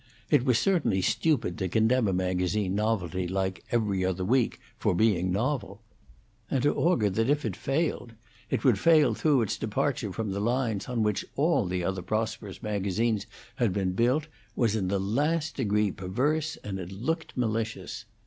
It was certainly stupid to condemn a magazine novelty like 'Every Other Week' for being novel; and to augur that if it failed, it would fail through its departure from the lines on which all the other prosperous magazines had been built, was in the last degree perverse, and it looked malicious.